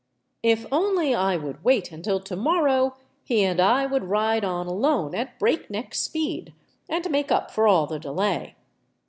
If only I would wait until to morrow, he and I would ride on alone at breakneck speed, and make up for all the delay.